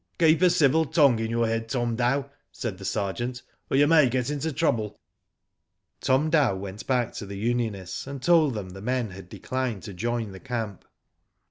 " Keep a civil tongue in your head, Tom Dow," said the sergeant, " or you may get into trouble." Tom Dow went back to the unionists and told them the men had declined to join the camp.